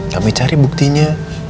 kami cari buktinya